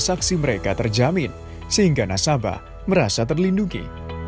transaksi mereka terjamin sehingga nasabah merasa terlindungi